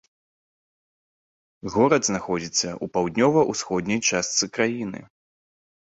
Горад знаходзіцца ў паўднёва-ўсходняй частцы краіны.